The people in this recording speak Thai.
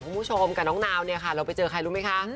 คุณผู้ชมกับน้องนาวเราไปเจอใครรู้มั้ยคะ